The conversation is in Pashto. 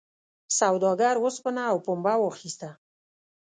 سوداګر اوسپنه او پنبه واخیسته.